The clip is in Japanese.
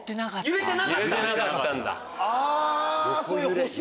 揺れてなかったんだ。